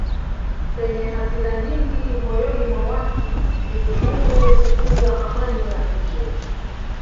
Penye hasira nyingi moyoni mwa watu ni vigumu kutunza amani ya nje.